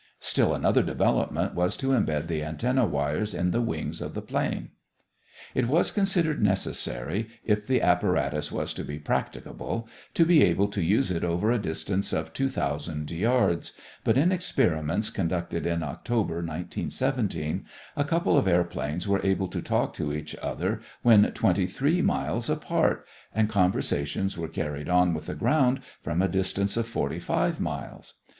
Still another development was to embed the antenna wires in the wings of the plane. It was considered necessary, if the apparatus was to be practicable, to be able to use it over a distance of two thousand yards, but in experiments conducted in October, 1917, a couple of airplanes were able to talk to each other when twenty three miles apart, and conversations were carried on with the ground from a distance of forty five miles.